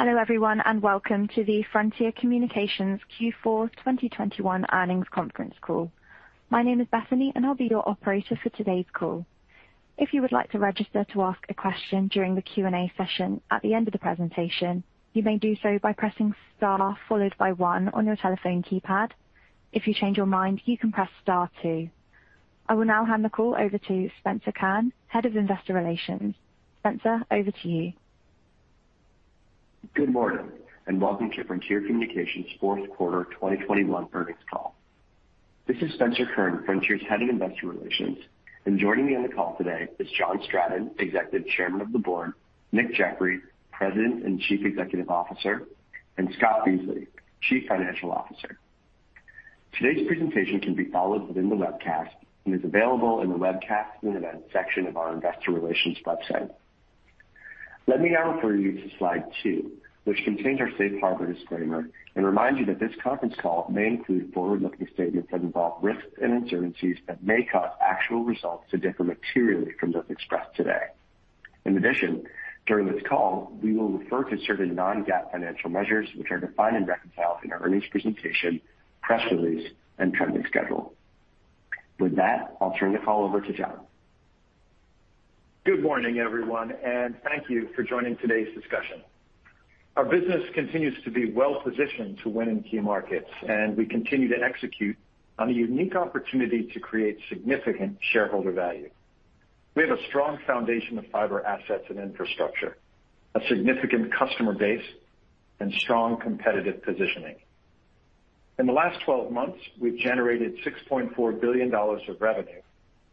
Hello, everyone, and welcome to the Frontier Communications Q4 2021 earnings conference call. My name is Bethany, and I'll be your operator for today's call. If you would like to register to ask a question during the Q&A session at the end of the presentation, you may do so by pressing Star followed by one on your telephone keypad. If you change your mind, you can press star two. I will now hand the call over to Spencer Kurn, Head of Investor Relations. Spencer, over to you. Good morning, and welcome to Frontier Communications Q4 2021 earnings call. This is Spencer Kurn, Frontier's Head of Investor Relations, and joining me on the call today is John Stratton, Executive Chairman of the Board, Nick Jeffery, President and Chief Executive Officer, and Scott Beasley, Chief Financial Officer. Today's presentation can be followed within the webcast and is available in the Webcast and Events section of our investor relations website. Let me now refer you to slide two, which contains our safe harbor disclaimer, and remind you that this conference call may include forward-looking statements that involve risks and uncertainties that may cause actual results to differ materially from those expressed today. In addition, during this call, we will refer to certain non-GAAP financial measures which are defined and reconciled in our earnings presentation, press release, and trending schedule. With that, I'll turn the call over to John. Good morning, everyone, and thank you for joining today's discussion. Our business continues to be well-positioned to win in key markets, and we continue to execute on a unique opportunity to create significant shareholder value. We have a strong foundation of fiber assets and infrastructure, a significant customer base, and strong competitive positioning. In the last 12 months, we've generated $6.4 billion of revenue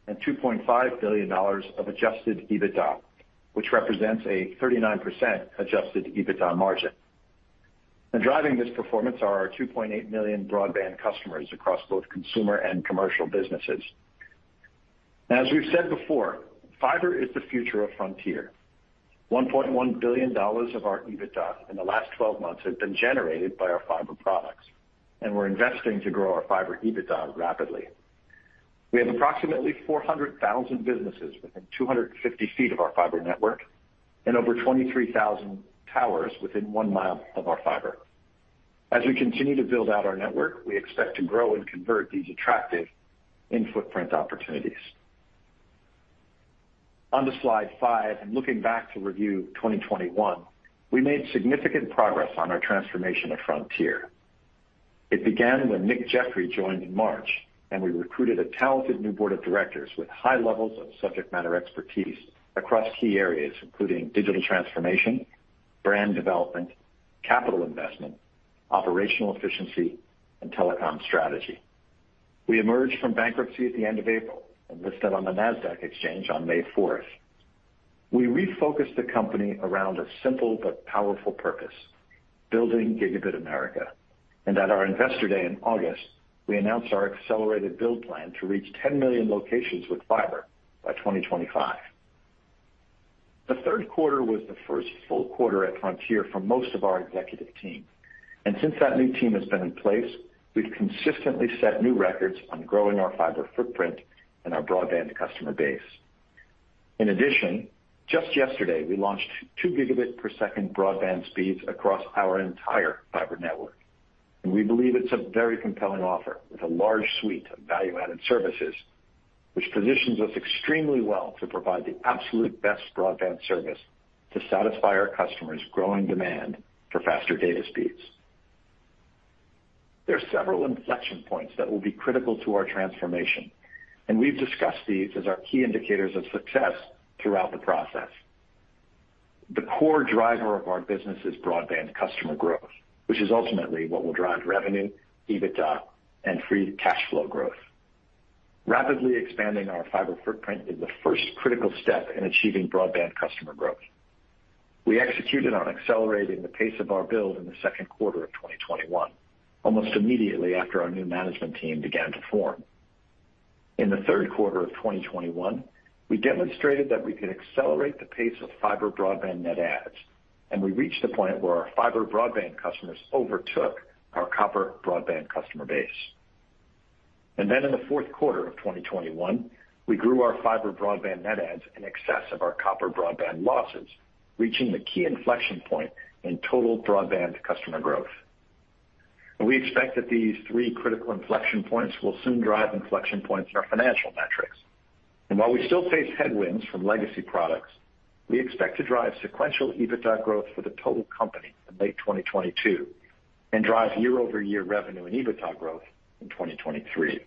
and $2.5 billion of adjusted EBITDA, which represents a 39% adjusted EBITDA margin. Driving this performance are our 2.8 million broadband customers across both consumer and commercial businesses. As we've said before, fiber is the future of Frontier. $1.1 billion of our EBITDA in the last 12 months have been generated by our fiber products, and we're investing to grow our fiber EBITDA rapidly. We have approximately 400,000 businesses within 250 feet of our fiber network and over 23,000 towers within one mile of our fiber. As we continue to build out our network, we expect to grow and convert these attractive in-footprint opportunities. Onto slide five, looking back to review 2021, we made significant progress on our transformation at Frontier. It began when Nick Jeffery joined in March, and we recruited a talented new board of directors with high levels of subject matter expertise across key areas, including digital transformation, brand development, capital investment, operational efficiency, and telecom strategy. We emerged from bankruptcy at the end of April and listed on the Nasdaq exchange on May fourth. We refocused the company around a simple but powerful purpose, building Gigabit America. At our Investor Day in August, we announced our accelerated build plan to reach 10 million locations with fiber by 2025. The Q3 was the first full quarter at Frontier for most of our executive team. Since that new team has been in place, we've consistently set new records on growing our fiber footprint and our broadband customer base. In addition, just yesterday, we launched 2 gigabit-per-second broadband speeds across our entire fiber network. We believe it's a very compelling offer with a large suite of value-added services, which positions us extremely well to provide the absolute best broadband service to satisfy our customers' growing demand for faster data speeds. There are several inflection points that will be critical to our transformation, and we've discussed these as our key indicators of success throughout the process. The core driver of our business is broadband customer growth, which is ultimately what will drive revenue, EBITDA, and free cash flow growth. Rapidly expanding our fiber footprint is the first critical step in achieving broadband customer growth. We executed on accelerating the pace of our build in the Q2 of 2021, almost immediately after our new management team began to form. In the Q3 of 2021, we demonstrated that we could accelerate the pace of fiber broadband net adds, and we reached the point where our fiber broadband customers overtook our copper broadband customer base. In the Q4 of 2021, we grew our fiber broadband net adds in excess of our copper broadband losses, reaching the key inflection point in total broadband customer growth. We expect that these three critical inflection points will soon drive inflection points in our financial metrics. While we still face headwinds from legacy products, we expect to drive sequential EBITDA growth for the total company in late 2022 and drive year-over-year revenue and EBITDA growth in 2023.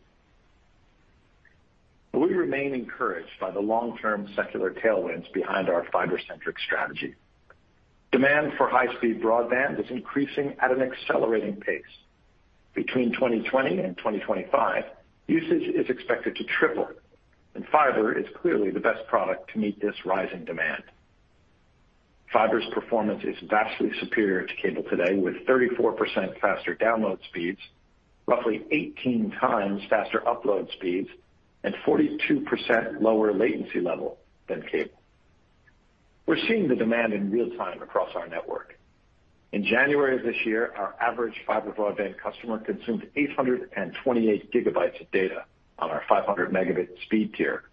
We remain encouraged by the long-term secular tailwinds behind our fiber-centric strategy. Demand for high-speed broadband is increasing at an accelerating pace. Between 2020 and 2025, usage is expected to triple, and fiber is clearly the best product to meet this rising demand. Fiber's performance is vastly superior to cable today, with 34% faster download speeds, roughly 18 times faster upload speeds, and 42% lower latency level than cable. We're seeing the demand in real time across our network. In January of this year, our average fiber broadband customer consumed 828 GB of data on our 500 Mbps speed tier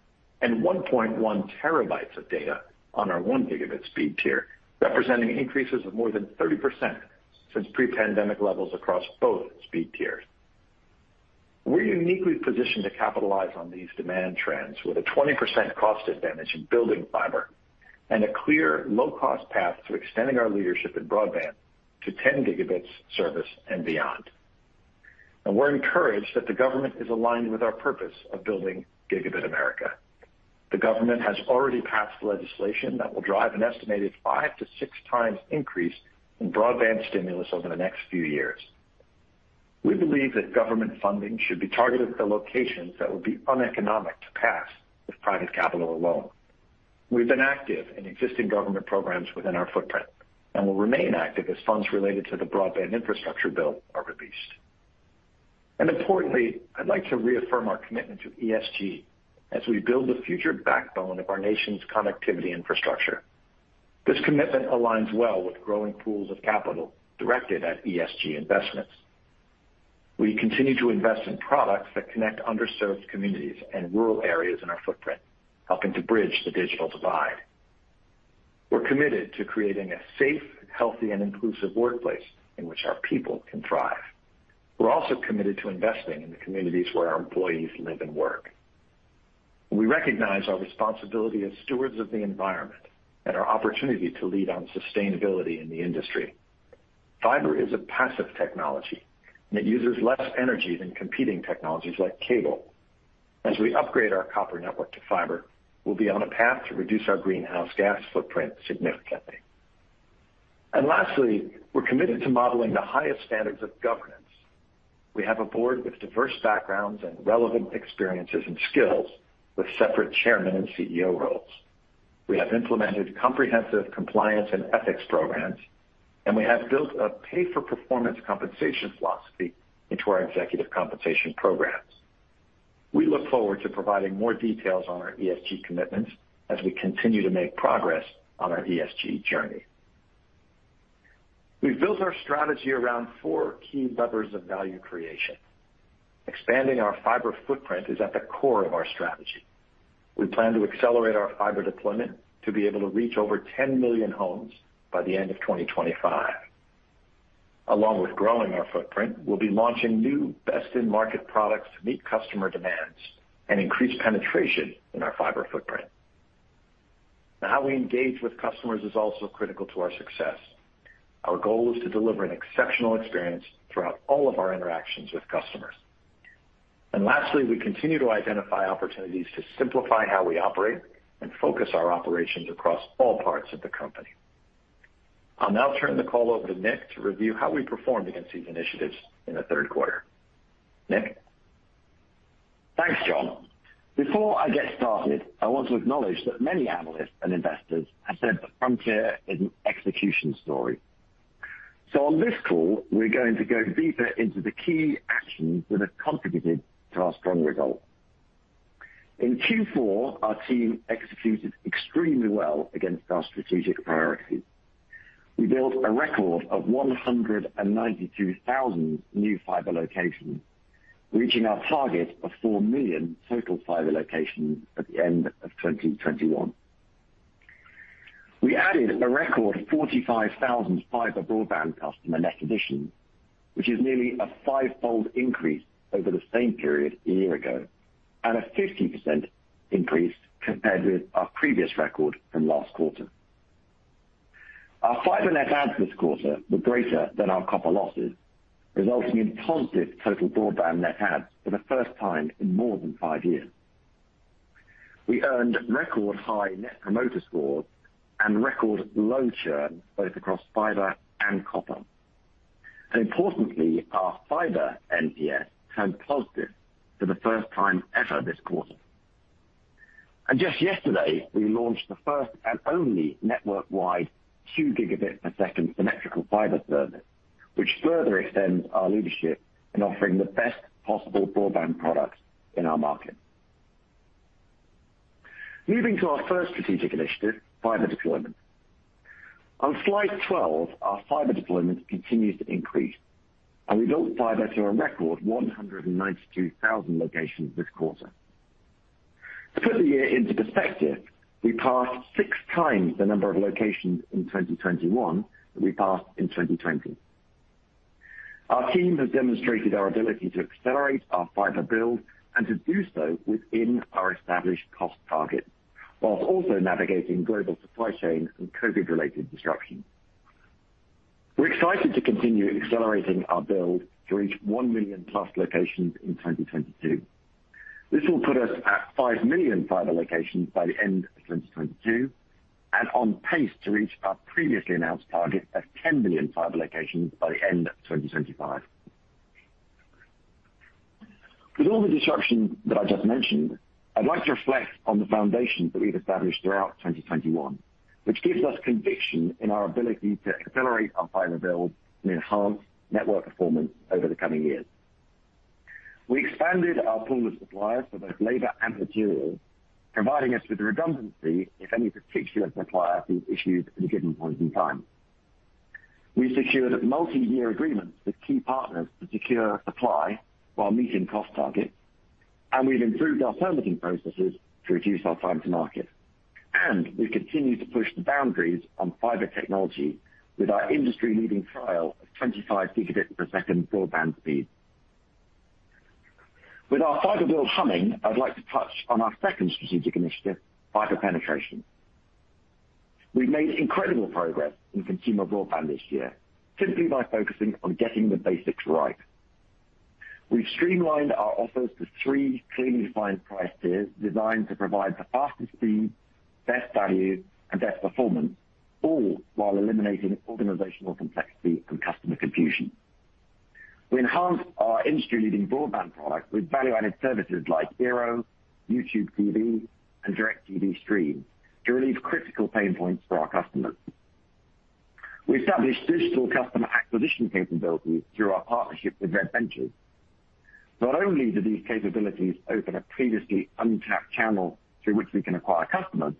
and 1.1 TB of data on our 1 Gbps speed tier, representing increases of more than 30% since pre-pandemic levels across both speed tiers. We're uniquely positioned to capitalize on these demand trends with a 20% cost advantage in building fiber and a clear low-cost path to extending our leadership in broadband to 10 gigabits service and beyond. We're encouraged that the government is aligned with our purpose of building Gigabit America. The government has already passed legislation that will drive an estimated 5-6 times increase in broadband stimulus over the next few years. We believe that government funding should be targeted at the locations that would be uneconomic to pass with private capital alone. We've been active in existing government programs within our footprint and will remain active as funds related to the broadband infrastructure bill are released. Importantly, I'd like to reaffirm our commitment to ESG as we build the future backbone of our nation's connectivity infrastructure. This commitment aligns well with growing pools of capital directed at ESG investments. We continue to invest in products that connect underserved communities and rural areas in our footprint, helping to bridge the digital divide. We're committed to creating a safe, healthy, and inclusive workplace in which our people can thrive. We're also committed to investing in the communities where our employees live and work. We recognize our responsibility as stewards of the environment and our opportunity to lead on sustainability in the industry. Fiber is a passive technology that uses less energy than competing technologies like cable. As we upgrade our copper network to fiber, we'll be on a path to reduce our greenhouse gas footprint significantly. Lastly, we're committed to modeling the highest standards of governance. We have a board with diverse backgrounds and relevant experiences and skills, with separate chairman and CEO roles. We have implemented comprehensive compliance and ethics programs, and we have built a pay-for-performance compensation philosophy into our executive compensation programs. We look forward to providing more details on our ESG commitments as we continue to make progress on our ESG journey. We've built our strategy around four key levers of value creation. Expanding our fiber footprint is at the core of our strategy. We plan to accelerate our fiber deployment to be able to reach over 10 million homes by the end of 2025. Along with growing our footprint, we'll be launching new best-in-market products to meet customer demands and increase penetration in our fiber footprint. Now, how we engage with customers is also critical to our success. Our goal is to deliver an exceptional experience throughout all of our interactions with customers. Lastly, we continue to identify opportunities to simplify how we operate and focus our operations across all parts of the company. I'll now turn the call over to Nick to review how we performed against these initiatives in the Q3. Nick? Thanks, John. Before I get started, I want to acknowledge that many analysts and investors have said that Frontier is an execution story. On this call, we're going to go deeper into the key actions that have contributed to our strong results. In Q4, our team executed extremely well against our strategic priorities. We built a record of 192,000 new fiber locations, reaching our target of 4 million total fiber locations at the end of 2021. We added a record 45,000 fiber broadband customer net additions, which is nearly a five-fold increase over the same period a year ago, and a 50% increase compared with our previous record from last quarter. Our fiber net adds this quarter were greater than our copper losses, resulting in positive total broadband net adds for the first time in more than five years. We earned record high net promoter scores and record low churn, both across fiber and copper. Importantly, our fiber NPS turned positive for the first time ever this quarter. Just yesterday, we launched the first and only network-wide 2 gigabit per second symmetrical fiber service, which further extends our leadership in offering the best possible broadband products in our market. Moving to our first strategic initiative, fiber deployment. On slide 12, our fiber deployment continues to increase, and we built fiber to a record 192,000 locations this quarter. To put the year into perspective, we passed six times the number of locations in 2021 that we passed in 2020. Our team has demonstrated our ability to accelerate our fiber build and to do so within our established cost target, while also navigating global supply chains and COVID-related disruptions. We're excited to continue accelerating our build to reach 1 million-plus locations in 2022. This will put us at 5 million fiber locations by the end of 2022 and on pace to reach our previously announced target of 10 million fiber locations by the end of 2025. With all the disruption that I just mentioned, I'd like to reflect on the foundation that we've established throughout 2021, which gives us conviction in our ability to accelerate our fiber build and enhance network performance over the coming years. We expanded our pool of suppliers for both labor and material, providing us with the redundancy if any particular supplier has issues at a given point in time. We secured multiyear agreements with key partners to secure supply while meeting cost targets, and we've improved our permitting processes to reduce our time to market. We continue to push the boundaries on fiber technology with our industry-leading trial of 25 gigabits per second broadband speed. With our fiber wheel humming, I'd like to touch on our second strategic initiative, fiber penetration. We've made incredible progress in consumer broadband this year, simply by focusing on getting the basics right. We've streamlined our offers to three clearly defined price tiers designed to provide the fastest speed, best value, and best performance, all while eliminating organizational complexity and customer confusion. We enhanced our industry-leading broadband product with value-added services like Hero, YouTube TV, and DIRECTV STREAM to relieve critical pain points for our customers. We established digital customer acquisition capabilities through our partnership with Red Ventures. Not only do these capabilities open a previously untapped channel through which we can acquire customers,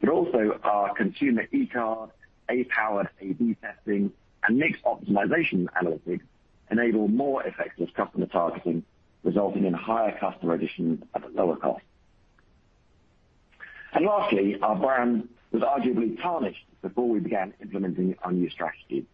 but also our consumer eCard, AI-powered A/B testing, and mix optimization analytics enable more effective customer targeting, resulting in higher customer additions at a lower cost. Lastly, our brand was arguably tarnished before we began implementing our new strategy.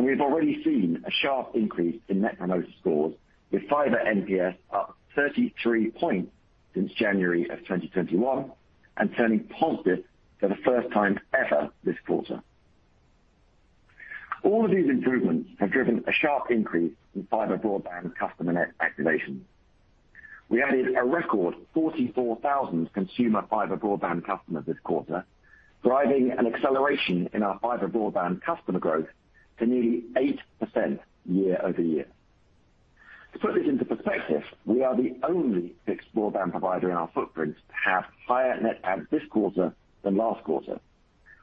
We've already seen a sharp increase in net promoter scores with fiber NPS up 33 points since January 2021 and turning positive for the first time ever this quarter. All of these improvements have driven a sharp increase in fiber broadband customer net activation. We added a record 44,000 consumer fiber broadband customers this quarter, driving an acceleration in our fiber broadband customer growth to nearly 8% year-over-year. To put this into perspective, we are the only fixed broadband provider in our footprint to have higher net adds this quarter than last quarter,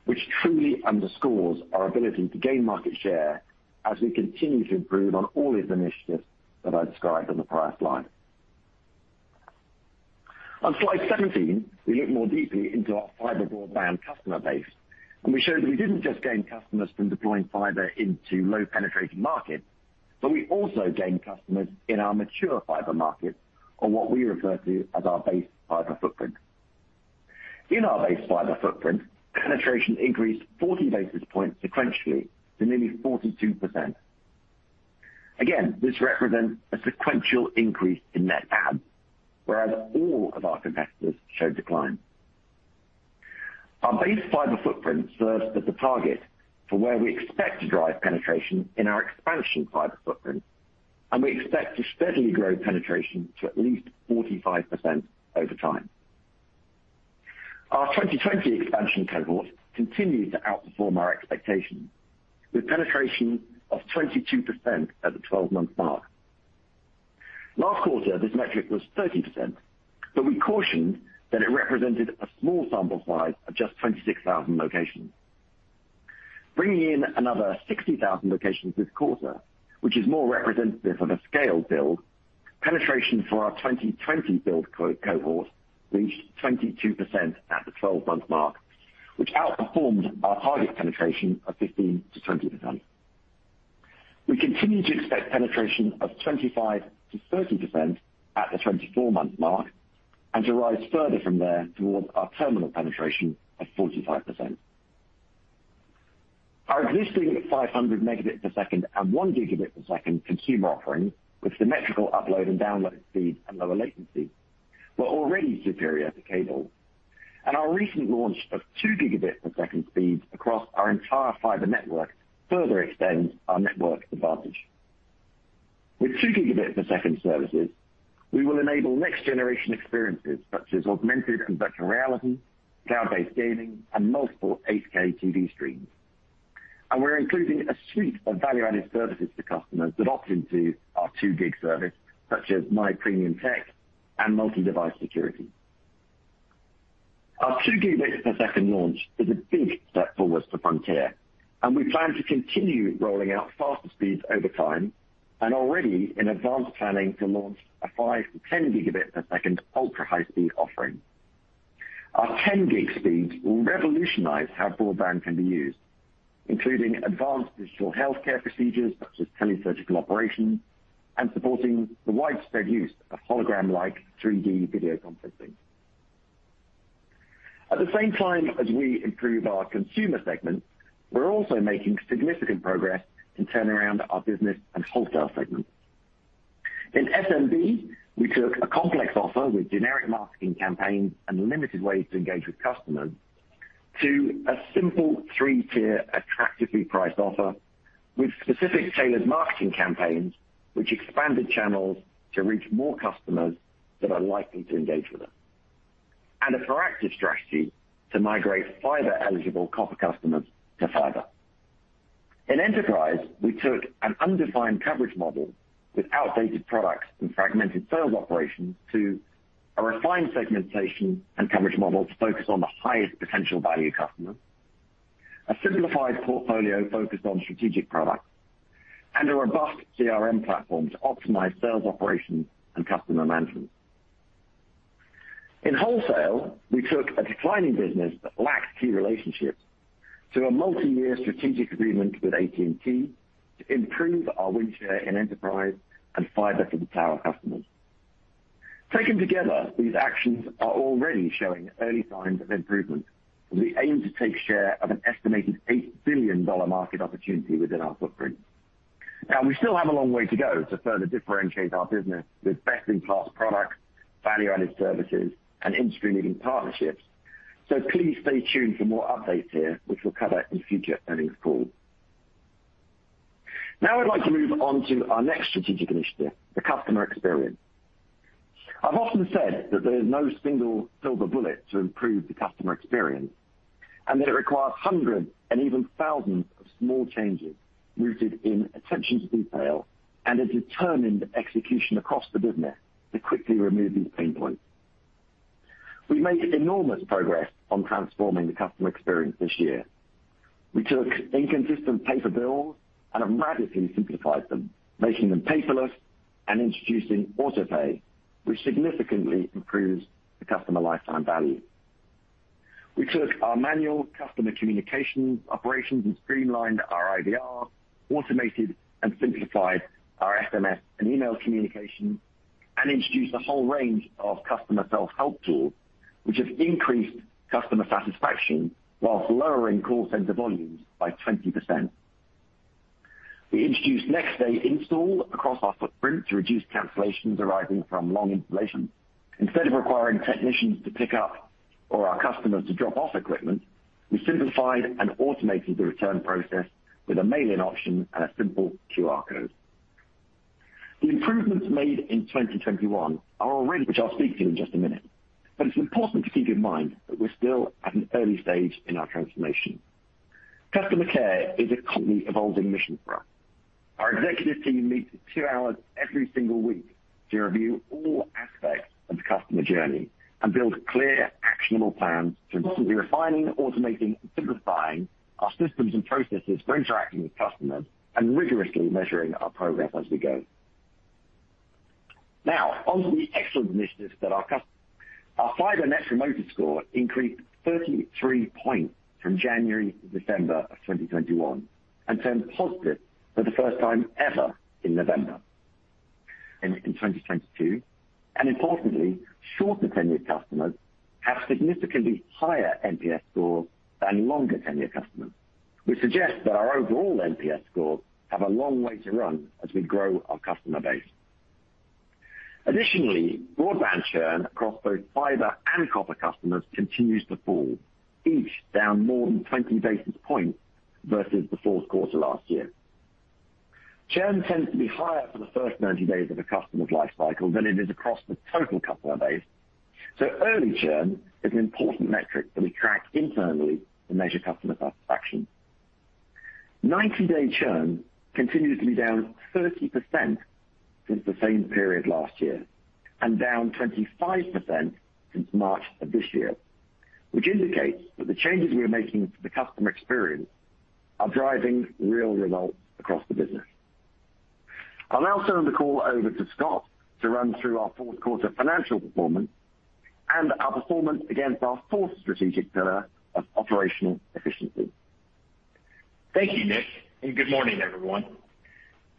which truly underscores our ability to gain market share as we continue to improve on all of the initiatives that I described on the prior slide. On slide 17, we look more deeply into our fiber broadband customer base. We showed that we didn't just gain customers from deploying fiber into low penetrated markets, but we also gained customers in our mature fiber markets or what we refer to as our base fiber footprint. In our base fiber footprint, penetration increased 40 basis points sequentially to nearly 42%. Again, this represents a sequential increase in net adds, whereas all of our competitors showed decline. Our base fiber footprint serves as a target for where we expect to drive penetration in our expansion fiber footprint, and we expect to steadily grow penetration to at least 45% over time. Our 2020 expansion cohort continued to outperform our expectations with penetration of 22% at the 12-month mark. Last quarter, this metric was 13%, but we cautioned that it represented a small sample size of just 26,000 locations. Bringing in another 60,000 locations this quarter, which is more representative of a scaled build, penetration for our 2020 build cohort reached 22% at the 12-month mark, which outperformed our target penetration of 15%-20%. We continue to expect penetration of 25%-30% at the 24-month mark and to rise further from there towards our terminal penetration of 45%. Our existing 500 Mbps and 1 Gbps consumer offering with symmetrical upload and download speed and lower latency were already superior to cable. Our recent launch of 2 Gbps speeds across our entire fiber network further extends our network advantage. With 2 Gbps services, we will enable next-generation experiences such as augmented and virtual reality, cloud-based gaming, and multiple 8K TV streams. We're including a suite of value-added services to customers that opt into our 2 gig service, such as My Premium Tech and Multi-Device Security. Our 2 Gbps launch is a big step forward for Frontier, and we plan to continue rolling out faster speeds over time and already in advance planning to launch a 5-10 Gbps ultra-high-speed offering. Our 10 gig speeds will revolutionize how broadband can be used, including advanced digital healthcare procedures such as telesurgical operations and supporting the widespread use of hologram-like 3D video conferencing. At the same time as we improve our Consumer segment, we're also making significant progress in turning around our Business and Wholesale segments. In SMB, we took a complex offer with generic marketing campaigns and limited ways to engage with customers to a simple three-tier attractively priced offer with specific tailored marketing campaigns which expanded channels to reach more customers that are likely to engage with us, and a proactive strategy to migrate fiber-eligible copper customers to fiber. In enterprise, we took an undefined coverage model with outdated products and fragmented sales operations to a refined segmentation and coverage model to focus on the highest potential value customers. A simplified portfolio focused on strategic products and a robust CRM platform to optimize sales operations and customer management. In wholesale, we took a declining business that lacked key relationships to a multi-year strategic agreement with AT&T to improve our win share in enterprise and fiber-to-the-tower customers. Taken together, these actions are already showing early signs of improvement, and we aim to take share of an estimated $8 billion market opportunity within our footprint. Now, we still have a long way to go to further differentiate our business with best-in-class products, value-added services, and industry-leading partnerships. Please stay tuned for more updates here, which we'll cover in future earnings calls. Now I'd like to move on to our next strategic initiative, the customer experience. I've often said that there is no single silver bullet to improve the customer experience, and that it requires hundreds and even thousands of small changes rooted in attention to detail and a determined execution across the business to quickly remove these pain points. We made enormous progress on transforming the customer experience this year. We took inconsistent paper bills and have radically simplified them, making them paperless and introducing autopay, which significantly improves the customer lifetime value. We took our manual customer communications operations and streamlined our IVR, automated and simplified our SMS and email communications, and introduced a whole range of customer self-help tools, which have increased customer satisfaction while lowering call center volumes by 20%. We introduced next day install across our footprint to reduce cancellations arising from long installations. Instead of requiring technicians to pick up or our customers to drop off equipment, we simplified and automated the return process with a mail-in option and a simple QR code. The improvements made in 2021 are already, which I'll speak to in just a minute. It's important to keep in mind that we're still at an early stage in our transformation. Customer care is a constantly evolving mission for us. Our executive team meets for two hours every single week to review all aspects of the customer journey and build clear, actionable plans to constantly refining, automating, and simplifying our systems and processes for interacting with customers and rigorously measuring our progress as we go. Now, onto the excellent initiatives. Our fiber net promoter score increased 33 points from January to December of 2021 and turned positive for the first time ever in November. In 2022, and importantly, shorter tenure customers have significantly higher NPS scores than longer tenure customers, which suggests that our overall NPS scores have a long way to run as we grow our customer base. Additionally, broadband churn across both fiber and copper customers continues to fall, each down more than 20 basis points versus the Q4 last year. Churn tends to be higher for the first 90 days of a customer's life cycle than it is across the total customer base, so early churn is an important metric that we track internally to measure customer satisfaction. Ninety-day churn continues to be down 30% since the same period last year and down 25% since March of this year, which indicates that the changes we are making to the customer experience are driving real results across the business. I'll now turn the call over to Scott to run through our Q4 financial performance and our performance against our fourth strategic pillar of operational efficiency. Thank you, Nick, and good morning, everyone.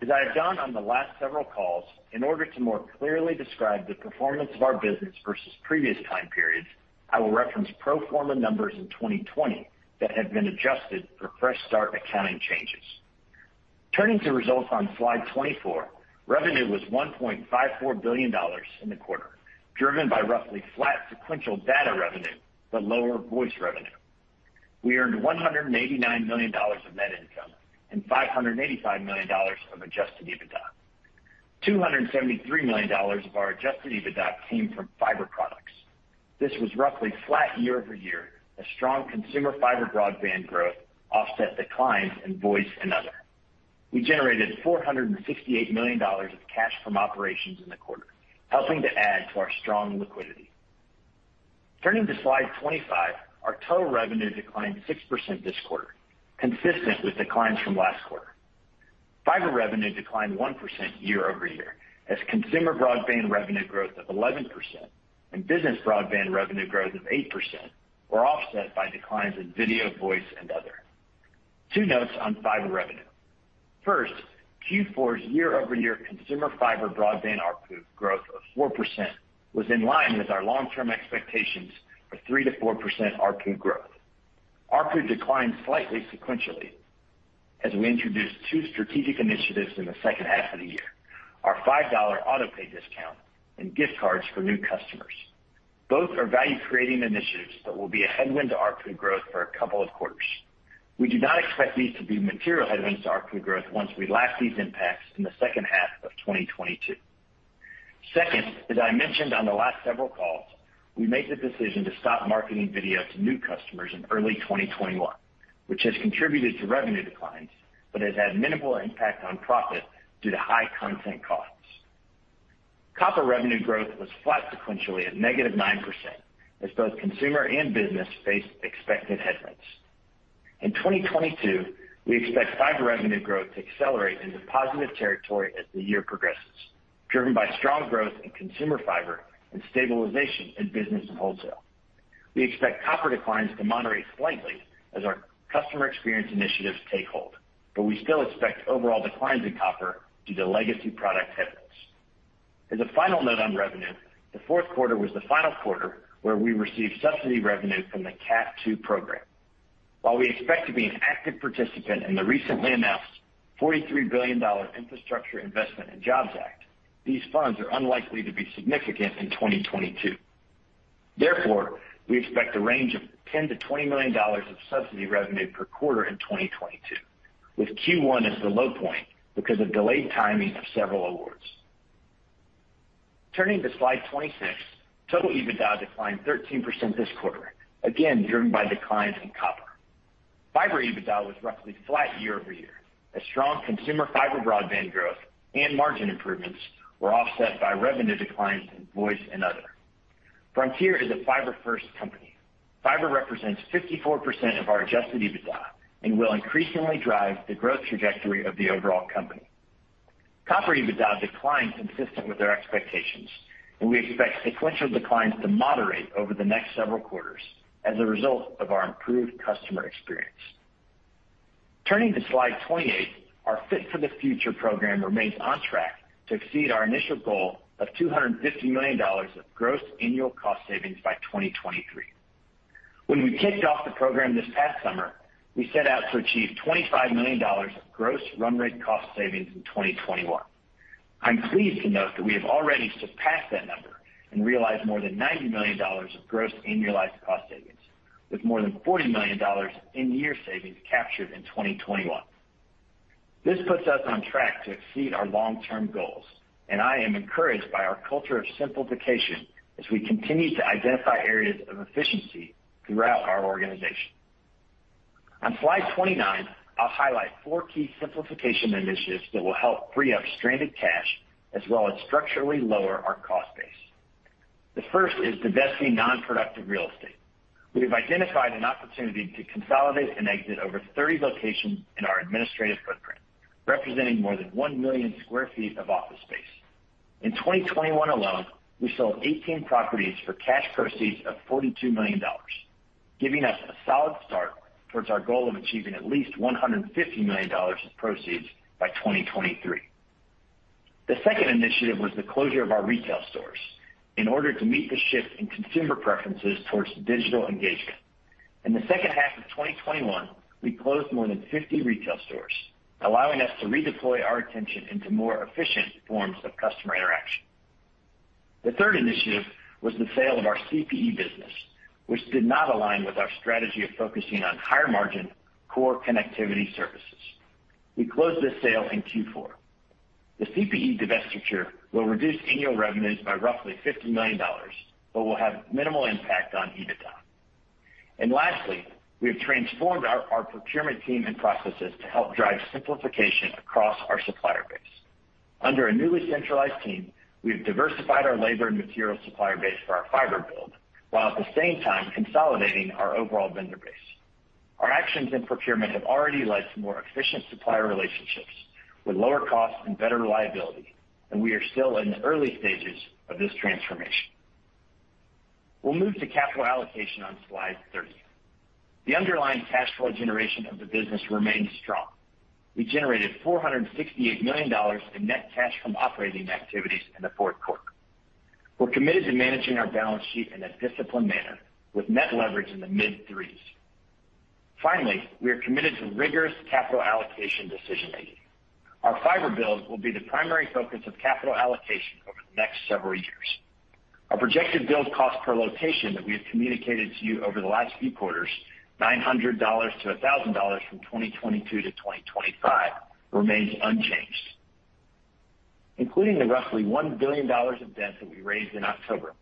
As I have done on the last several calls, in order to more clearly describe the performance of our business versus previous time periods, I will reference pro forma numbers in 2020 that have been adjusted for fresh start accounting changes. Turning to results on slide 24, revenue was $1.54 billion in the quarter, driven by roughly flat sequential data revenue but lower voice revenue. We earned $189 million of net income and $585 million of adjusted EBITDA. $273 million of our adjusted EBITDA came from fiber products. This was roughly flat year-over-year as strong consumer fiber broadband growth offset declines in voice and other. We generated $468 million of cash from operations in the quarter, helping to add to our strong liquidity. Turning to slide 25, our total revenue declined 6% this quarter, consistent with declines from last quarter. Fiber revenue declined 1% year-over-year as consumer broadband revenue growth of 11% and business broadband revenue growth of 8% were offset by declines in video, voice, and other. Two notes on fiber revenue. First, Q4's year-over-year consumer fiber broadband ARPU growth of 4% was in line with our long-term expectations of 3%-4% ARPU growth. ARPU declined slightly sequentially as we introduced two strategic initiatives in the second half of the year, our $5 autopay discount and gift cards for new customers. Both are value-creating initiatives that will be a headwind to ARPU growth for a couple of quarters. We do not expect these to be material headwinds to ARPU growth once we lap these impacts in the second half of 2022. Second, as I mentioned on the last several calls, we made the decision to stop marketing video to new customers in early 2021, which has contributed to revenue declines but has had minimal impact on profit due to high content costs. Copper revenue growth was flat sequentially at -9%, as both consumer and business faced expected headwinds. In 2022, we expect fiber revenue growth to accelerate into positive territory as the year progresses, driven by strong growth in consumer fiber and stabilization in business and wholesale. We expect copper declines to moderate slightly as our customer experience initiatives take hold, but we still expect overall declines in copper due to legacy product headwinds. As a final note on revenue, the Q4 was the final quarter where we received subsidy revenue from the CAF II program. While we expect to be an active participant in the recently announced $43 billion Infrastructure Investment and Jobs Act, these funds are unlikely to be significant in 2022. Therefore, we expect a range of $10 million-$20 million of subsidy revenue per quarter in 2022, with Q1 as the low point because of delayed timing of several awards. Turning to slide 26, total EBITDA declined 13% this quarter, again driven by declines in copper. Fiber EBITDA was roughly flat year-over-year, as strong consumer fiber broadband growth and margin improvements were offset by revenue declines in voice and other. Frontier is a fiber first company. Fiber represents 54% of our adjusted EBITDA and will increasingly drive the growth trajectory of the overall company. Copper EBITDA declined consistent with our expectations, and we expect sequential declines to moderate over the next several quarters as a result of our improved customer experience. Turning to slide 28, our Fit for the Future program remains on track to exceed our initial goal of $250 million of gross annual cost savings by 2023. When we kicked off the program this past summer, we set out to achieve $25 million of gross run rate cost savings in 2021. I'm pleased to note that we have already surpassed that number and realized more than $90 million of gross annualized cost savings, with more than $40 million in year savings captured in 2021. This puts us on track to exceed our long-term goals, and I am encouraged by our culture of simplification as we continue to identify areas of efficiency throughout our organization. On slide 29, I'll highlight four key simplification initiatives that will help free up stranded cash as well as structurally lower our cost base. The first is divesting non-productive real estate. We have identified an opportunity to consolidate and exit over 30 locations in our administrative footprint, representing more than 1 million sq ft of office space. In 2021 alone, we sold 18 properties for cash proceeds of $42 million, giving us a solid start towards our goal of achieving at least $150 million of proceeds by 2023. The second initiative was the closure of our retail stores in order to meet the shift in consumer preferences towards digital engagement. In the second half of 2021, we closed more than 50 retail stores, allowing us to redeploy our attention into more efficient forms of customer interaction. The third initiative was the sale of our CPE business, which did not align with our strategy of focusing on higher margin core connectivity services. We closed this sale in Q4. The CPE divestiture will reduce annual revenues by roughly $50 million, but will have minimal impact on EBITDA. Lastly, we have transformed our procurement team and processes to help drive simplification across our supplier base. Under a newly centralized team, we have diversified our labor and material supplier base for our fiber build, while at the same time consolidating our overall vendor base. Our actions in procurement have already led to more efficient supplier relationships with lower costs and better reliability, and we are still in the early stages of this transformation. We'll move to capital allocation on slide 30. The underlying cash flow generation of the business remains strong. We generated $468 million in net cash from operating activities in the Q4. We're committed to managing our balance sheet in a disciplined manner with net leverage in the mid threes. Finally, we are committed to rigorous capital allocation decision-making. Our fiber builds will be the primary focus of capital allocation over the next several years. Our projected build cost per location that we have communicated to you over the last few quarters, $900-$1,000 from 2022 to 2025, remains unchanged. Including the roughly $1 billion of debt that we raised in October,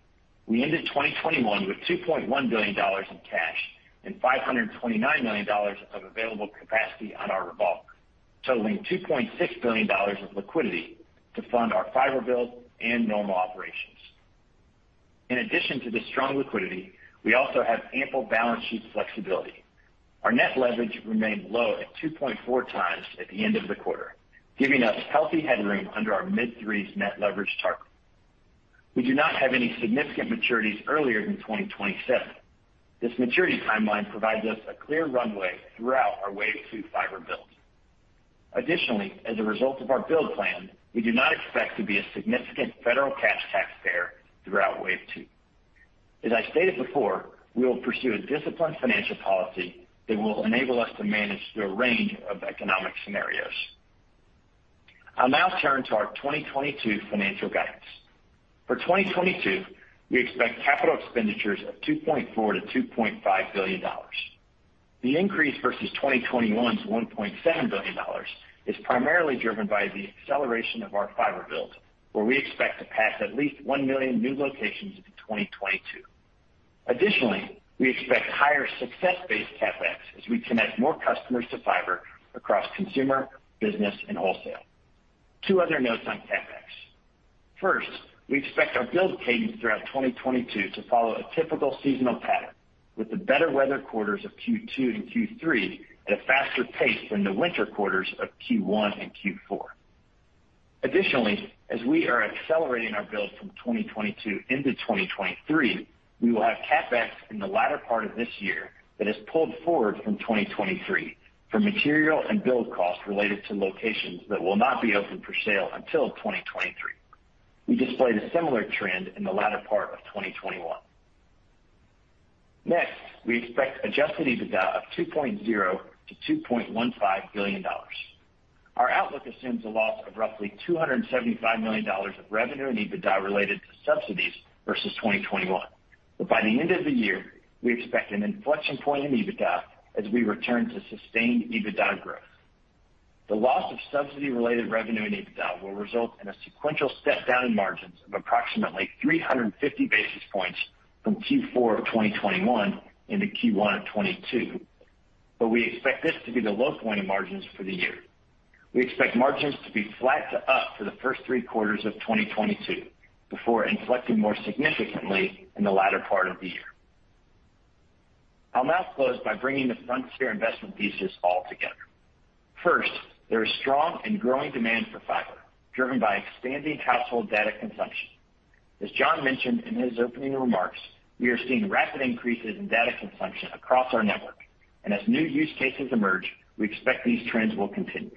we ended 2021 with $2.1 billion in cash and $529 million of available capacity on our revolver, totaling $2.6 billion of liquidity to fund our fiber build and normal operations. In addition to this strong liquidity, we also have ample balance sheet flexibility. Our net leverage remained low at 2.4 times at the end of the quarter, giving us healthy headroom under our mid-threes net leverage target. We do not have any significant maturities earlier than 2027. This maturity timeline provides us a clear runway throughout our wave two fiber build. Additionally, as a result of our build plan, we do not expect to be a significant federal cash taxpayer throughout wave two. As I stated before, we will pursue a disciplined financial policy that will enable us to manage the range of economic scenarios. I'll now turn to our 2022 financial guidance. For 2022, we expect capital expenditures of $2.4 billion-$2.5 billion. The increase versus 2021's $1.7 billion is primarily driven by the acceleration of our fiber build, where we expect to pass at least 1 million new locations in 2022. Additionally, we expect higher success-based CapEx as we connect more customers to fiber across consumer, business, and wholesale. Two other notes on CapEx. First, we expect our build cadence throughout 2022 to follow a typical seasonal pattern, with the better weather quarters of Q2 and Q3 at a faster pace than the winter quarters of Q1 and Q4. Additionally, as we are accelerating our build from 2022 into 2023, we will have CapEx in the latter part of this year that is pulled forward from 2023 for material and build costs related to locations that will not be open for sale until 2023. We displayed a similar trend in the latter part of 2021. Next, we expect adjusted EBITDA of $2.0 billion-$2.15 billion. Our outlook assumes a loss of roughly $275 million of revenue and EBITDA related to subsidies versus 2021. By the end of the year, we expect an inflection point in EBITDA as we return to sustained EBITDA growth. The loss of subsidy-related revenue and EBITDA will result in a sequential step down in margins of approximately 350 basis points from Q4 of 2021 into Q1 of 2022, but we expect this to be the low point in margins for the year. We expect margins to be flat to up for the first three quarters of 2022 before inflecting more significantly in the latter part of the year. I'll now close by bringing the Frontier investment thesis all together. First, there is strong and growing demand for fiber, driven by expanding household data consumption. As John mentioned in his opening remarks, we are seeing rapid increases in data consumption across our network, and as new use cases emerge, we expect these trends will continue.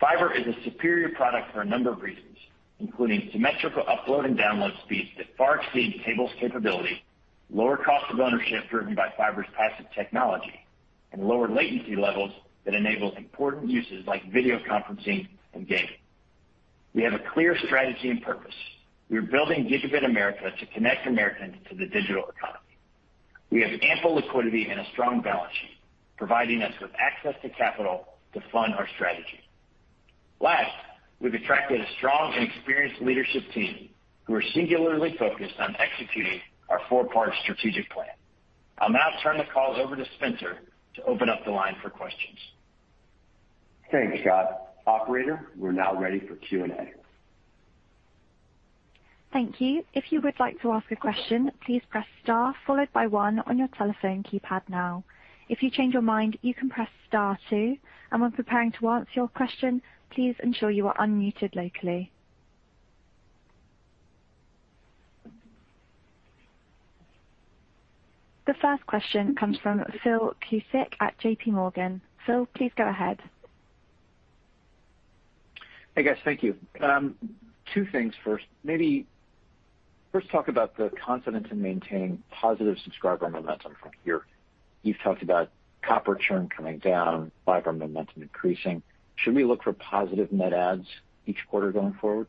Fiber is a superior product for a number of reasons, including symmetrical upload and download speeds that far exceed cable's capability, lower cost of ownership driven by fiber's passive technology, and lower latency levels that enables important uses like video conferencing and gaming. We have a clear strategy and purpose. We are building Gigabit America to connect Americans to the digital economy. We have ample liquidity and a strong balance sheet, providing us with access to capital to fund our strategy. Last, we've attracted a strong and experienced leadership team who are singularly focused on executing our four-part strategic plan. I'll now turn the call over to Spencer to open up the line for questions. Thanks, Scott. Operator, we're now ready for Q&A. Thank you. If you would like to ask a question, please press star followed by one on your telephone keypad now. If you change your mind, you can press star two, and when preparing to ask your question, please ensure you are unmuted locally. The first question comes from Philip Cusick at J.P. Morgan. Phil, please go ahead. Hey, guys. Thank you. Two things first. Maybe first talk about the confidence in maintaining positive subscriber momentum from here. You've talked about copper churn coming down, fiber momentum increasing. Should we look for positive net adds each quarter going forward?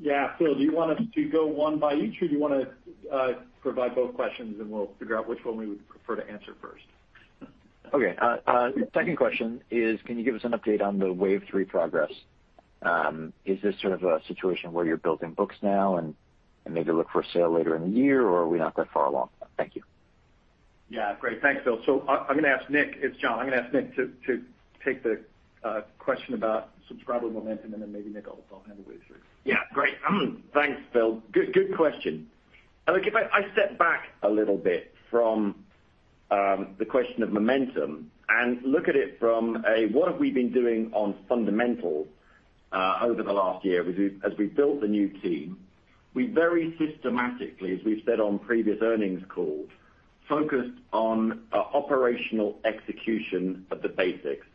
Yeah. Phil, do you want us to go one by each, or do you wanna, provide both questions, and we'll figure out which one we would prefer to answer first? Okay. Second question is, can you give us an update on the wave three progress? Is this a situation where you're building books now and maybe look for a sale later in the year, or are we not that far along? Thank you. Yeah. Great. Thanks, Phil. It's John. I'm gonna ask Nick to take the question about subscriber momentum, and then maybe, Nick, I'll hand it over to you. Yeah. Great. Thanks, Phil. Good question. I think if I step back a little bit from the question of momentum and look at it from a what have we been doing on fundamentals over the last year as we built the new team, we very systematically, as we've said on previous earnings calls, focused on operational execution of the basics.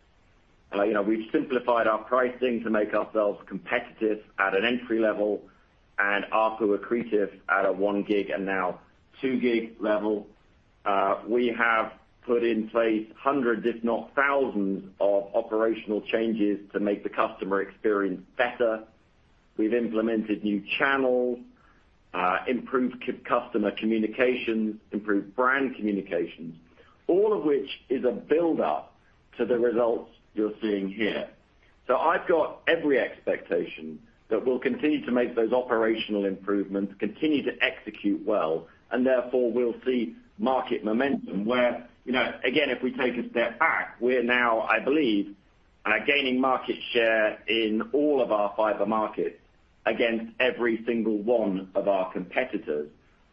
You know, we've simplified our pricing to make ourselves competitive at an entry level and ARPU accretive at a 1 gig and now 2 gig level. We have put in place hundreds, if not thousands, of operational changes to make the customer experience better. We've implemented new channels, improved customer communications, improved brand communications, all of which is a build-up to the results you're seeing here. I've got every expectation that we'll continue to make those operational improvements, continue to execute well, and therefore, we'll see market momentum where, you know, again, if we take a step back, we're now, I believe, gaining market share in all of our fiber markets against every single one of our competitors.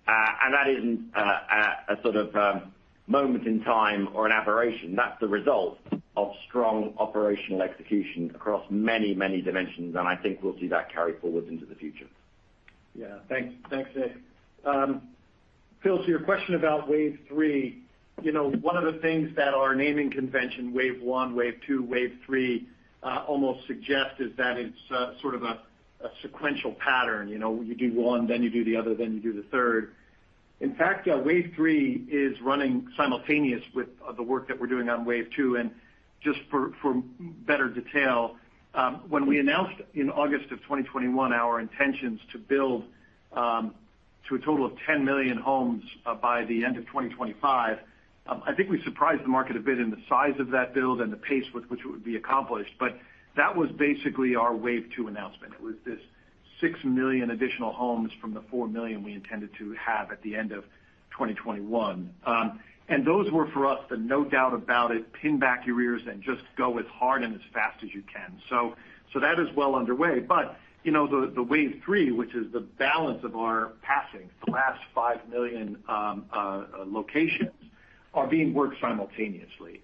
That isn't a moment in time or an aberration. That's the result of strong operational execution across many, many dimensions, and I think we'll see that carry forward into the future. Yeah. Thanks, Nick. Phil, to your question about wave three, you know, one of the things that our naming convention, wave one, wave two, wave three, almost suggests is that it's a sequential pattern. You know, you do one, then you do the other, then you do the third. In fact, wave three is running simultaneous with the work that we're doing on wave two. Just for better detail, when we announced in August 2021 our intentions to build to a total of 10 million homes by the end of 2025. I think we surprised the market a bit in the size of that build and the pace with which it would be accomplished, but that was basically our wave two announcement. It was this 6 million additional homes from the 4 million we intended to have at the end of 2021. Those were for us the no doubt about it, pin back your ears and just go as hard and as fast as you can. That is well underway. You know, the wave three, which is the balance of our passing, the last 5 million locations are being worked simultaneously.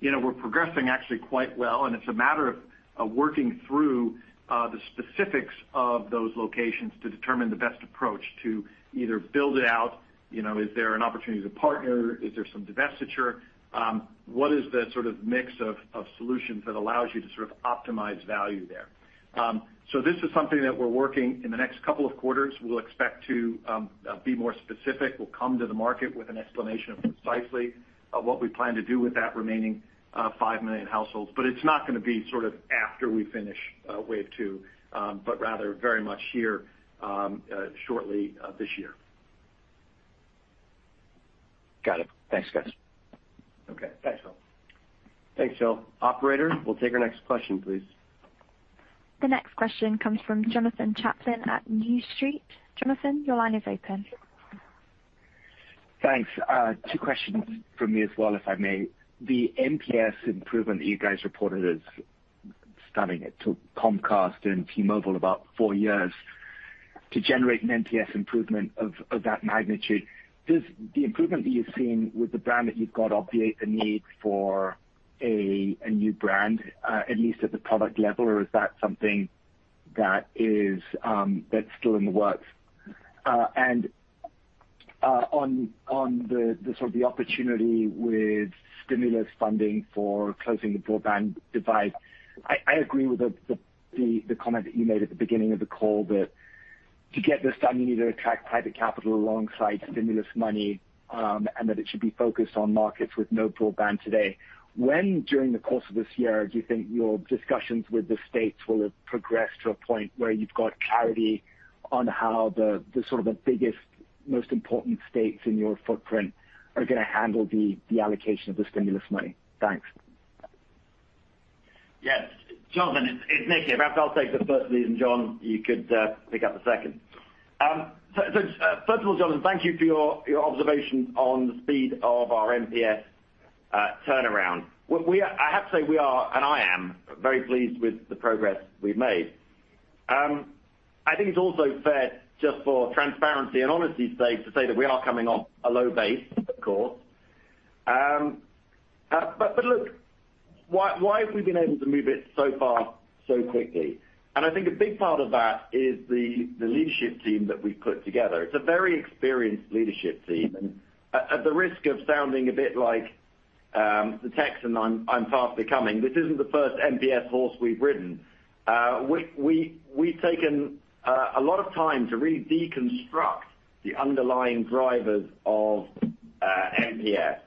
You know, we're progressing actually quite well, and it's a matter of working through the specifics of those locations to determine the best approach to either build it out. You know, is there an opportunity to partner? Is there some divestiture? What is the mix of solutions that allows you to optimize value there? This is something that we're working on in the next couple of quarters. We'll expect to be more specific. We'll come to the market with an explanation of precisely what we plan to do with that remaining 5 million households. It's not gonna be after we finish wave two, but rather very much here shortly this year. Got it. Thanks, guys. Okay. Thanks, Phil. Thanks, Phil. Operator, we'll take our next question, please. The next question comes from Jonathan Chaplin at New Street. Jonathan, your line is open. Thanks. Two questions from me as well, if I may. The NPS improvement that you guys reported is stunning. It took Comcast and T-Mobile about four years to generate an NPS improvement of that magnitude. Does the improvement that you've seen with the brand that you've got obviate the need for a new brand, at least at the product level, or is that something that's still in the works? On the opportunity with stimulus funding for closing the broadband divide, I agree with the comment that you made at the beginning of the call that to get this done, you need to attract private capital alongside stimulus money, and that it should be focused on markets with no broadband today. When, during the course of this year, do you think your discussions with the states will have progressed to a point where you've got clarity on how the biggest, most important states in your footprint are gonna handle the allocation of the stimulus money? Thanks. Yes. Jonathan, it's Nick here. Perhaps I'll take the first of these, and John, you could pick up the second. First of all, Jonathan, thank you for your observation on the speed of our NPS turnaround. I have to say we are and I am very pleased with the progress we've made. I think it's also fair just for transparency and honesty's sake to say that we are coming off a low base, of course. Look, why have we been able to move it so far so quickly? I think a big part of that is the leadership team that we've put together. It's a very experienced leadership team. At the risk of sounding a bit like the techs, and I'm fast becoming, this isn't the first NPS horse we've ridden. We've taken a lot of time to really deconstruct the underlying drivers of NPS,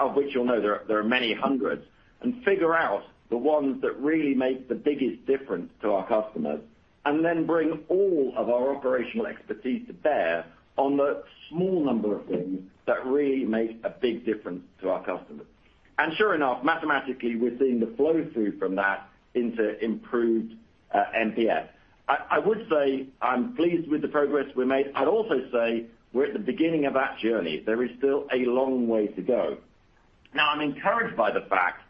of which you'll know there are many hundreds, and figure out the ones that really make the biggest difference to our customers, and then bring all of our operational expertise to bear on the small number of things that really make a big difference to our customers. Sure enough, mathematically, we're seeing the flow through from that into improved NPS. I would say I'm pleased with the progress we made. I'd also say we're at the beginning of that journey. There is still a long way to go. Now, I'm encouraged by the fact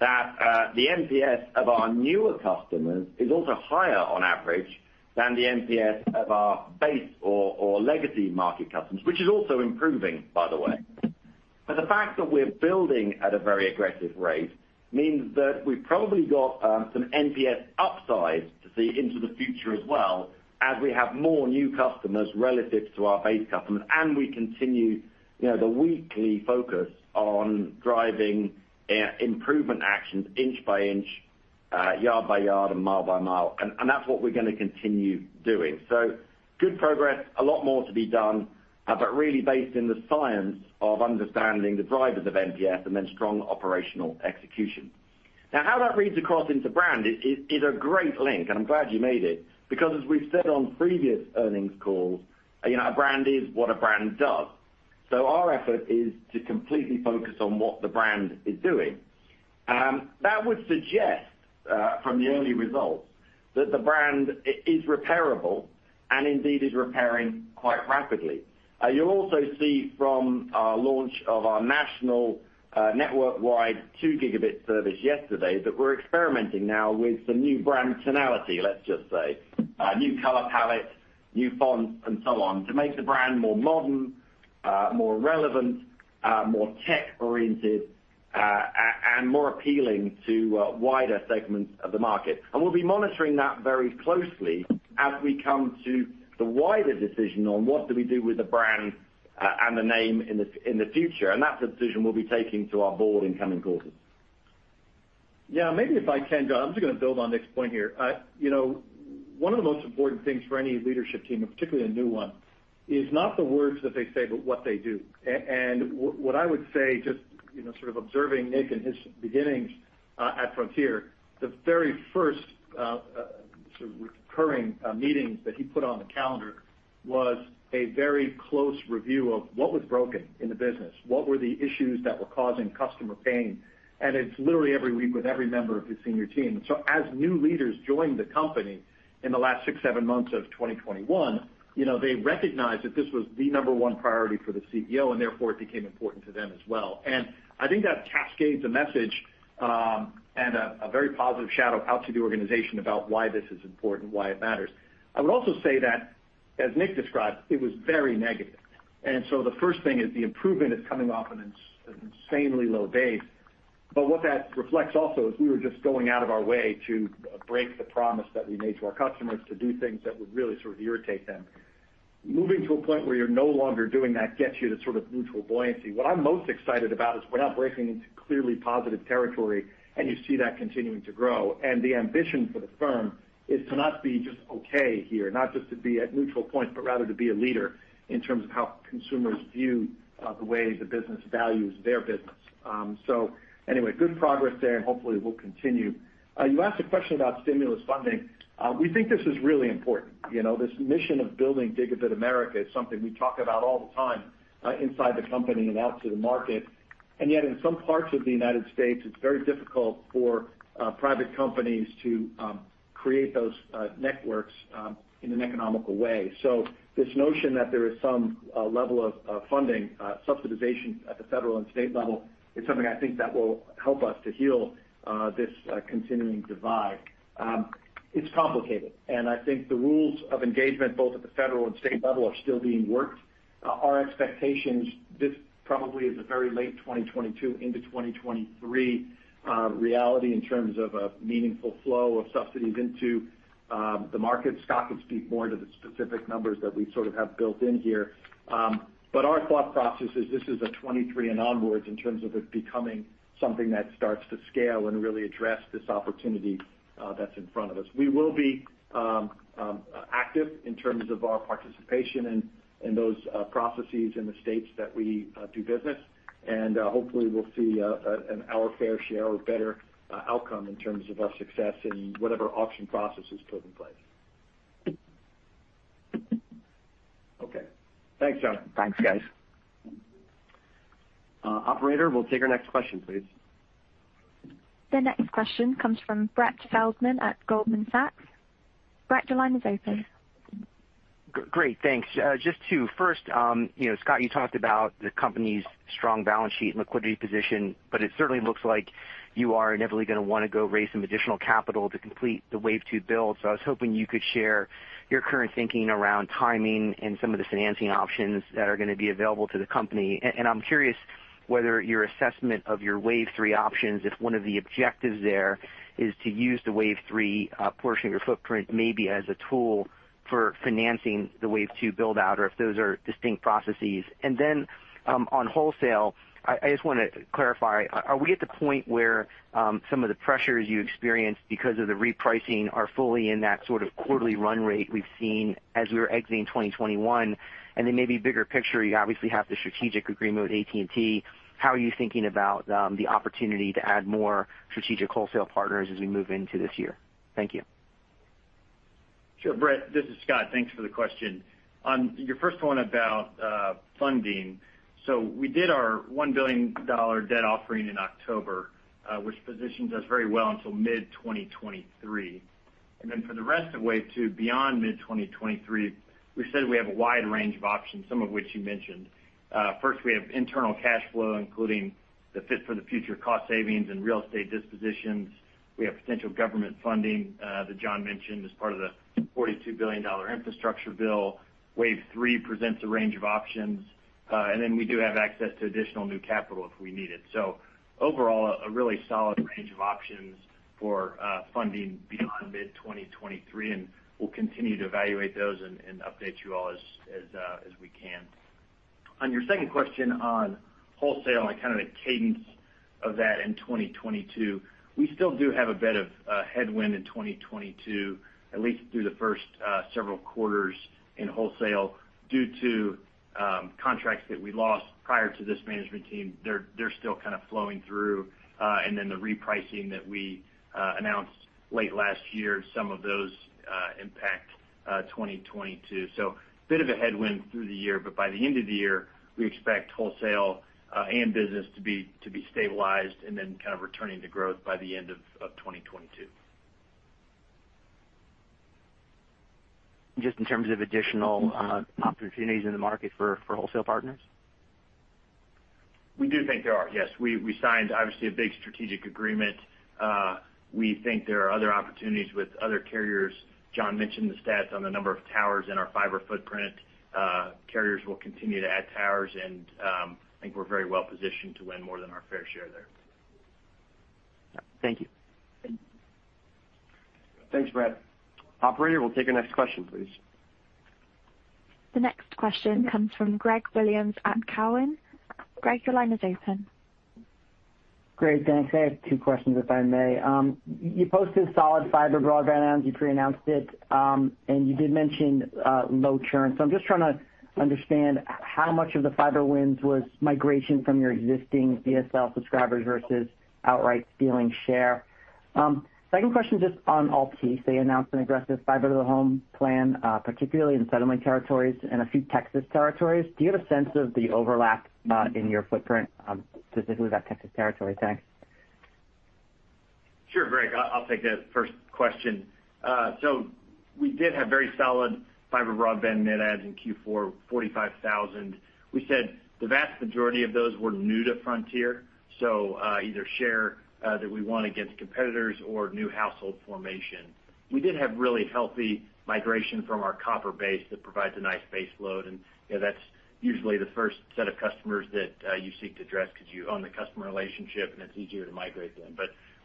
that the NPS of our newer customers is also higher on average than the NPS of our base or legacy market customers, which is also improving by the way. The fact that we're building at a very aggressive rate means that we've probably got some NPS upside to see into the future as well as we have more new customers relative to our base customers. We continue, you know, the weekly focus on driving improvement actions inch by inch, yard by yard and mile by mile. That's what we're gonna continue doing. Good progress, a lot more to be done, but really based in the science of understanding the drivers of NPS and then strong operational execution. Now how that reads across into brand is a great link, and I'm glad you made it, because as we've said on previous earnings calls, you know, a brand is what a brand does. So our effort is to completely focus on what the brand is doing. That would suggest from the early results that the brand is repairable and indeed is repairing quite rapidly. You'll also see from our launch of our national network-wide 2-gigabit service yesterday, that we're experimenting now with some new brand tonality, let's just say. New color palette, new fonts and so on to make the brand more modern, more relevant, more tech oriented, and more appealing to wider segments of the market. We'll be monitoring that very closely as we come to the wider decision on what do we do with the brand and the name in the future. That's a decision we'll be taking to our board in coming quarters. Yeah, maybe if I can, John, I'm just gonna build on Nick's point here. You know, one of the most important things for any leadership team, and particularly a new one, is not the words that they say, but what they do. And what I would say, just you know, observing Nick and his beginnings at Frontier, the very first recurring meetings that he put on the calendar was a very close review of what was broken in the business, what were the issues that were causing customer pain, and it's literally every week with every member of his senior team. As new leaders joined the company in the last six, seven months of 2021, you know, they recognized that this was the number one priority for the CEO, and therefore it became important to them as well. I think that cascades a message, and a very positive shadow out to the organization about why this is important, why it matters. I would also say that, as Nick described, it was very negative. The first thing is the improvement is coming off an insanely low base. What that reflects also is we were just going out of our way to break the promise that we made to our customers to do things that would really irritate them. Moving to a point where you're no longer doing that gets you to neutral buoyancy. What I'm most excited about is we're now breaking into clearly positive territory, and you see that continuing to grow. The ambition for the firm is to not be just okay here, not just to be at neutral point, but rather to be a leader in terms of how consumers view the way the business values their business. Anyway, good progress there, and hopefully we'll continue. You asked a question about stimulus funding. We think this is really important. You know, this mission of building digital America is something we talk about all the time inside the company and out to the market. Yet, in some parts of the United States, it's very difficult for private companies to create those networks in an economical way. This notion that there is some level of funding subsidization at the federal and state level is something I think that will help us to heal this continuing divide. It's complicated, and I think the rules of engagement, both at the federal and state level, are still being worked. Our expectations, this probably is a very late 2022 into 2023 reality in terms of a meaningful flow of subsidies into the market. Scott can speak more to the specific numbers that we have built in here. Our thought process is this is a 2023 and onwards in terms of it becoming something that starts to scale and really address this opportunity that's in front of us. We will be active in terms of our participation in those processes in the states that we do business. Hopefully we'll see our fair share or better outcome in terms of our success in whatever auction process is put in place. Okay. Thanks, John. Thanks, guys. Operator, we'll take our next question, please. The next question comes from Brett Feldman at Goldman Sachs. Brett, your line is open. Great. Thanks. Just two. First, you know, Scott, you talked about the company's strong balance sheet and liquidity position, but it certainly looks like you are inevitably gonna wanna go raise some additional capital to complete the wave two build. I was hoping you could share your current thinking around timing and some of the financing options that are gonna be available to the company. I'm curious whether your assessment of your wave three options, if one of the objectives there is to use the wave three portion of your footprint maybe as a tool for financing the wave two build out, or if those are distinct processes. On wholesale, I just wanna clarify, are we at the point where some of the pressures you experienced because of the repricing are fully in that quarterly run rate we've seen as we were exiting 2021? Maybe bigger picture, you obviously have the strategic agreement with AT&T. How are you thinking about the opportunity to add more strategic wholesale partners as we move into this year? Thank you. Sure. Brett, this is Scott. Thanks for the question. On your first one about funding, so we did our $1 billion debt offering in October, which positions us very well until mid-2023. Then for the rest of wave two, beyond mid-2023, we said we have a wide range of options, some of which you mentioned. First, we have internal cash flow, including the Fit for the Future cost savings and real estate dispositions. We have potential government funding, that John mentioned as part of the $42 billion infrastructure bill. Wave three presents a range of options. Then we do have access to additional new capital if we need it. Overall, a really solid range of options for funding beyond mid 2023, and we'll continue to evaluate those and update you all as we can. On your second question on wholesale and the cadence of that in 2022, we still do have a bit of headwind in 2022, at least through the first several quarters in wholesale due to contracts that we lost prior to this management team. They're still flowing through. Then the repricing that we announced late last year, some of those impact 2022. Bit of a headwind through the year, but by the end of the year, we expect wholesale and business to be stabilized and then returning to growth by the end of 2022. Just in terms of additional opportunities in the market for wholesale partners? We do think there are, yes. We signed obviously a big strategic agreement. We think there are other opportunities with other carriers. John mentioned the stats on the number of towers in our fiber footprint. Carriers will continue to add towers and, I think we're very well positioned to win more than our fair share there. Thank you. Thanks, Brett. Operator, we'll take our next question, please. The next question comes from Greg Williams at Cowen. Greg, your line is open. Great, thanks. I have two questions, if I may. You posted solid fiber broadband, and you pre-announced it, and you did mention low churn. I'm just trying to understand how much of the fiber wins was migration from your existing DSL subscribers versus outright stealing share. Second question just on Altice. They announced an aggressive fiber to the home plan, particularly in settlement territories and a few Texas territories. Do you have a sense of the overlap in your footprint, specifically that Texas territory? Thanks. Sure, Greg, I'll take the first question. So we did have very solid fiber broadband net adds in Q4, 45,000. We said the vast majority of those were new to Frontier, so either share that we won against competitors or new household formation. We did have really healthy migration from our copper base that provides a nice base load, and you know, that's usually the first set of customers that you seek to address because you own the customer relationship, and it's easier to migrate them.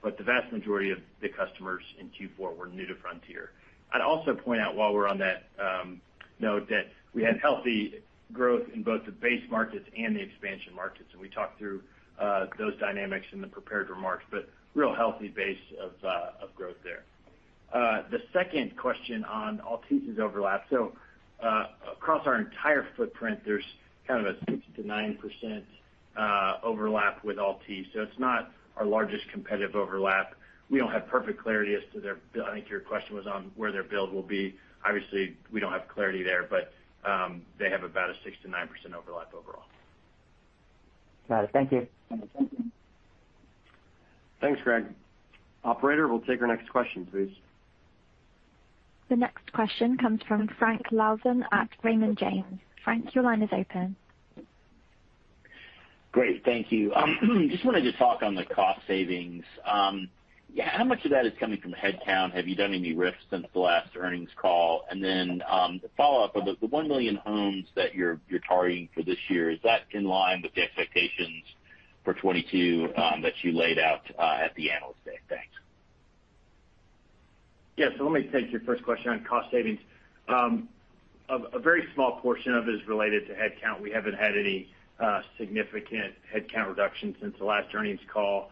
The vast majority of the customers in Q4 were new to Frontier. I'd also point out while we're on that note that we had healthy growth in both the base markets and the expansion markets, and we talked through those dynamics in the prepared remarks, but real healthy base of growth there. The second question on Altice's overlap. Across our entire footprint, there's a 6%-9% overlap with Altice, so it's not our largest competitive overlap. We don't have perfect clarity as to their build. I think your question was on where their builds will be. Obviously, we don't have clarity there, but they have about a 6%-9% overlap overall. Got it. Thank you. Thanks, Greg. Operator, we'll take our next question, please. The next question comes from Frank Louthan at Raymond James. Frank, your line is open. Great, thank you. Just wanted to talk on the cost savings. How much of that is coming from headcount? Have you done any RIFs since the last earnings call? Then, the follow-up, are the 1 million homes that you're targeting for this year, is that in line with the expectations for 2022 that you laid out at the Analyst Day? Thanks. Yeah. Let me take your first question on cost savings. A very small portion of it is related to headcount. We haven't had any significant headcount reduction since the last earnings call.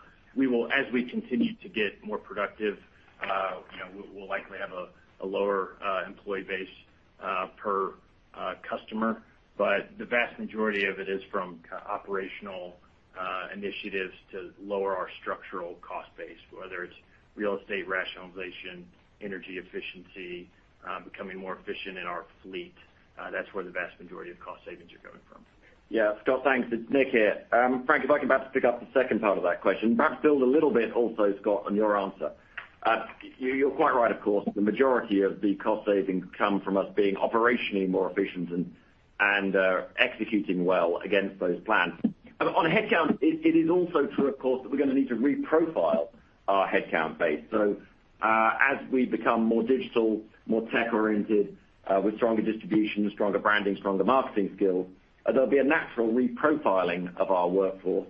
As we continue to get more productive, you know, we'll likely have a lower employee base per customer. But the vast majority of it is from non-operational initiatives to lower our structural cost base, whether it's real estate rationalization, energy efficiency, becoming more efficient in our fleet. That's where the vast majority of cost savings are coming from. Yeah. Scott, thanks. It's Nick here. Frank, if I can perhaps pick up the second part of that question, perhaps build a little bit also, Scott, on your answer. You're quite right, of course. The majority of the cost savings come from us being operationally more efficient and executing well against those plans. On headcount, it is also true, of course, that we're gonna need to re-profile our headcount base. As we become more digital, more tech oriented, with stronger distribution, stronger branding, stronger marketing skills, there'll be a natural reprofiling of our workforce.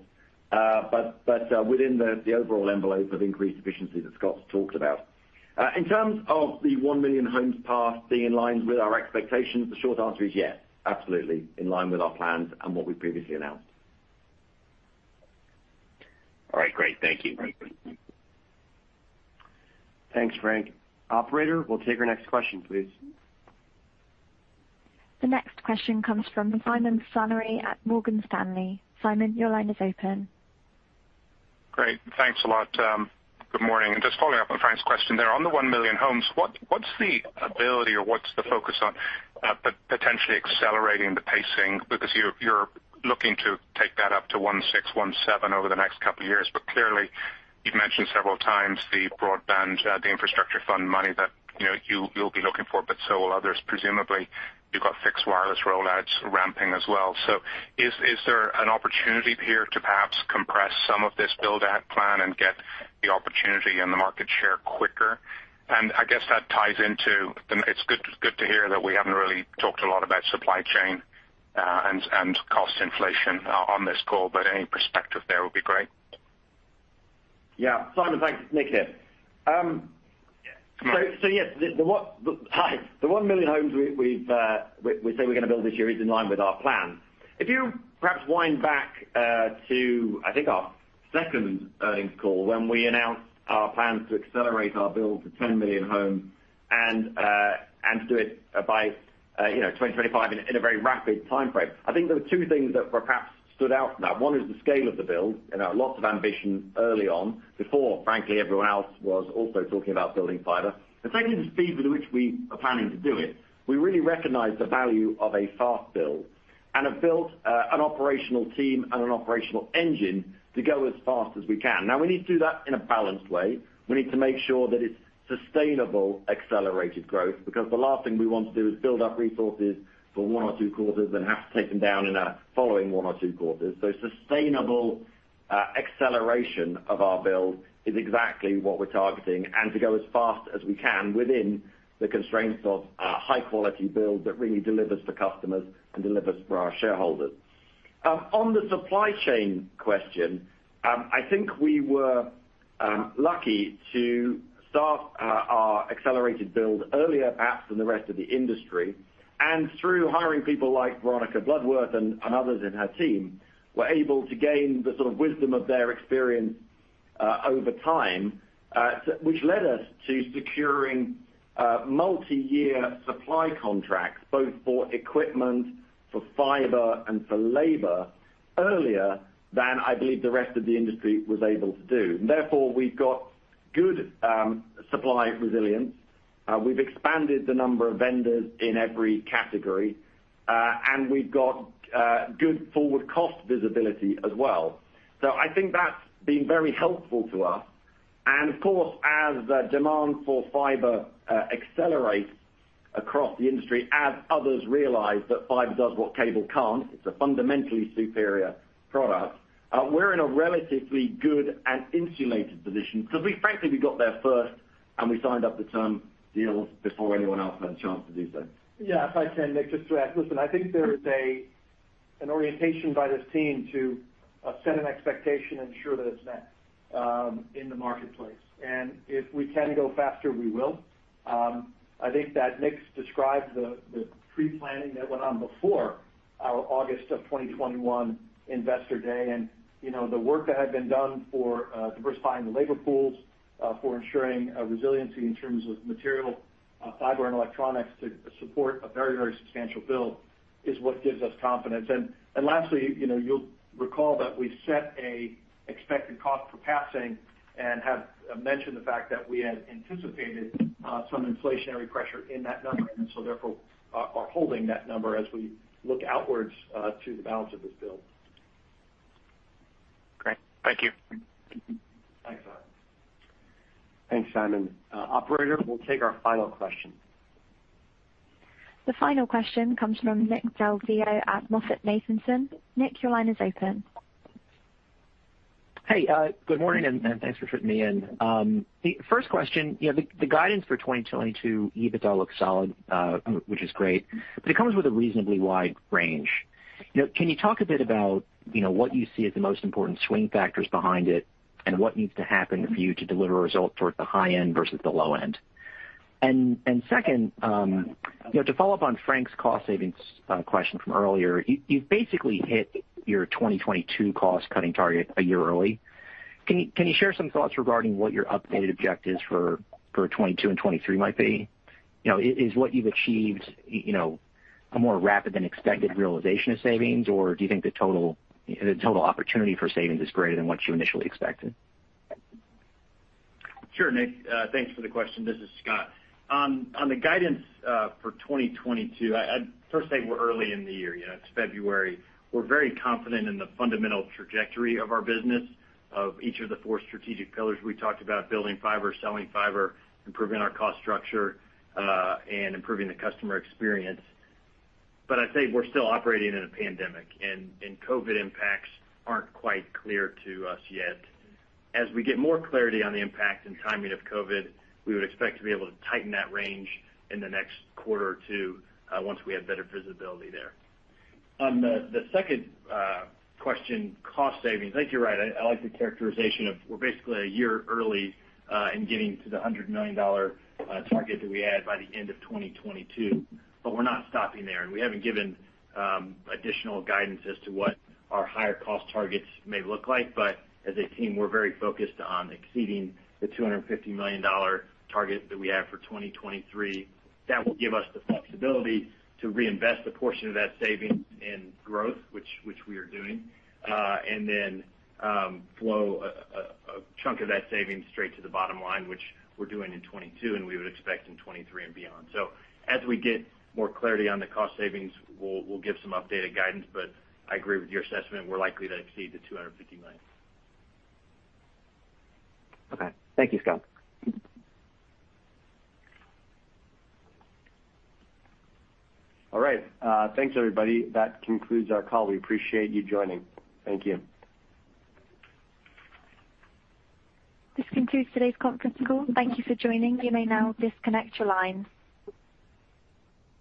Within the overall envelope of increased efficiency that Scott's talked about. In terms of the 1 million homes passed being in line with our expectations, the short answer is yes, absolutely in line with our plans and what we previously announced. All right, great. Thank you. Thanks, Frank. Operator, we'll take our next question, please. The next question comes from Simon Flannery at Morgan Stanley. Simon, your line is open. Great. Thanks a lot. Good morning. Just following up on Frank's question there. On the 1 million homes, what's the ability or what's the focus on potentially accelerating the pacing? Because you're looking to take that up to 1.6, 1.7 over the next couple of years. Clearly, you've mentioned several times the broadband, the infrastructure fund money that, you know, you'll be looking for, but so will others. Presumably, you've got fixed wireless rollouts ramping as well. Is there an opportunity here to perhaps compress some of this build-out plan and get the opportunity and the market share quicker? I guess that ties into the it's good to hear that we haven't really talked a lot about supply chain and cost inflation on this call, but any perspective there would be great. Yeah. Simon, thanks. It's Nick here. So yes, the one million homes we say we're gonna build this year is in line with our plan. If you perhaps wind back to I think our second earnings call, when we announced our plans to accelerate our build to 10 million homes and do it by you know 2025 in a very rapid timeframe, I think there were two things that perhaps stood out from that. One is the scale of the build and lots of ambition early on before frankly everyone else was also talking about building fiber. The second is the speed with which we are planning to do it. We really recognize the value of a fast build and have built an operational team and an operational engine to go as fast as we can. Now, we need to do that in a balanced way. We need to make sure that it's sustainable accelerated growth because the last thing we want to do is build up resources for one or two quarters, then have to take them down in a following one or two quarters. Sustainable acceleration of our build is exactly what we're targeting and to go as fast as we can within the constraints of a high-quality build that really delivers for customers and delivers for our shareholders. On the supply chain question, I think we were lucky to start our accelerated build earlier perhaps than the rest of the industry. Through hiring people like Veronica Bloodworth and others in her team, we're able to gain the wisdom of their experience over time, which led us to securing multiyear supply contracts, both for equipment, for fiber and for labor earlier than I believe the rest of the industry was able to do. Therefore, we've got good supply resilience. We've expanded the number of vendors in every category, and we've got good forward cost visibility as well. I think that's been very helpful to us. Of course, as the demand for fiber accelerates across the industry, as others realize that fiber does what cable can't, it's a fundamentally superior product, we're in a relatively good and insulated position because we frankly got there first and we signed up the term deals before anyone else had a chance to do so. Yeah. If I can, Nick, just to add. Listen, I think there is an orientation by this team to set an expectation and ensure that it's met in the marketplace. If we can go faster, we will. I think that Nick's described the preplanning that went on before our August 2021 investor day. You know, the work that had been done for diversifying the labor pools for ensuring a resiliency in terms of material, fiber and electronics to support a very substantial build is what gives us confidence. Lastly, you know, you'll recall that we set an expected cost for passing and have mentioned the fact that we had anticipated some inflationary pressure in that number. Therefore, we are holding that number as we look outwards to the balance of this build. Great. Thank you. Thanks, Simon. Thanks, Simon. Operator, we'll take our final question. The final question comes from Nick Del Deo at MoffettNathanson. Nick, your line is open. Hey, good morning, and thanks for fitting me in. The first question, you know, the guidance for 2022 EBITDA looks solid, which is great, but it comes with a reasonably wide range. You know, can you talk a bit about, you know, what you see as the most important swing factors behind it and what needs to happen for you to deliver a result towards the high end versus the low end? Second, you know, to follow up on Frank's cost savings question from earlier, you've basically hit your 2022 cost-cutting target a year early. Can you share some thoughts regarding what your updated objectives for 2022 and 2023 might be? You know, is what you've achieved, you know, a more rapid than expected realization of savings, or do you think the total opportunity for savings is greater than what you initially expected? Sure, Nick. Thanks for the question. This is Scott. On the guidance for 2022, I'd first say we're early in the year. You know, it's February. We're very confident in the fundamental trajectory of our business, of each of the four strategic pillars we talked about, building fiber, selling fiber, improving our cost structure, and improving the customer experience. I'd say we're still operating in a pandemic, and COVID impacts aren't quite clear to us yet. As we get more clarity on the impact and timing of COVID, we would expect to be able to tighten that range in the next quarter or two, once we have better visibility there. On the second question, cost savings, I think you're right. I like the characterization of we're basically a year early in getting to the $100 million target that we had by the end of 2022, but we're not stopping there, and we haven't given additional guidance as to what our higher cost targets may look like. As a team, we're very focused on exceeding the $250 million target that we have for 2023. That will give us the flexibility to reinvest a portion of that savings in growth, which we are doing, and then flow a chunk of that savings straight to the bottom line, which we're doing in 2022, and we would expect in 2023 and beyond. As we get more clarity on the cost savings, we'll give some updated guidance. I agree with your assessment, we're likely to exceed the $250 million. Okay. Thank you, Scott. All right. Thanks, everybody. That concludes our call. We appreciate you joining. Thank you. This concludes today's conference call. Thank you for joining. You may now disconnect your lines.